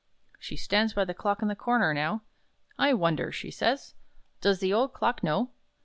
'" She stands by the clock in the corner, now: "I wonder," she says, "does the old clock know?"